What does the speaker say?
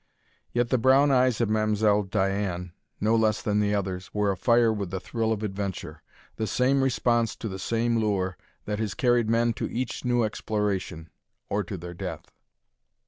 Yet the brown eyes of Mam'selle Diane, no less than the others, were afire with the thrill of adventure the same response to the same lure that has carried men to each new exploration or to their death.